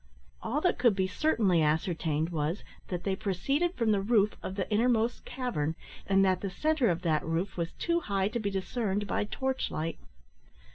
All that could be certainly ascertained was, that they proceeded from the roof of the innermost cavern, and that the centre of that roof was too high to be discerned by torch light.